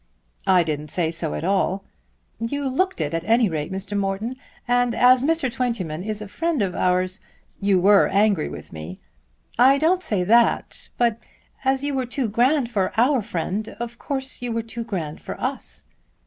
"I didn't say so at all." "You looked it at any rate, Mr. Morton. And as Mr. Twentyman is a friend of ours " "You were angry with me." "I don't say that. But as you were too grand for our friend of course you were too grand for us."